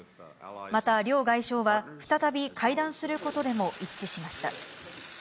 また両外相は、再び会談することでも一致しました。